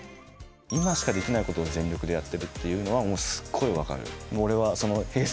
今しかできないことを全力でやってるっていうのはもうすっごい分かる。